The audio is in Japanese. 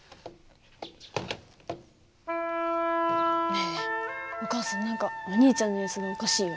ねえお母さん何かお兄ちゃんの様子がおかしいよ。